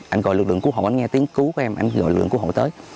anh gọi lực lượng cứu hộ anh nghe tiếng cứu của em anh gọi lực lượng cứu hộ tới